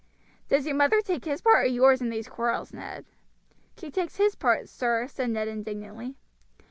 "Does your mother take his part or yours in these quarrels, Ned?" "She takes his part, sir," said Ned indignantly.